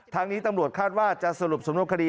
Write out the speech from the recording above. ทั้งนี้ตำรวจคาดว่าจะสรุปสมมุติกรรมคดี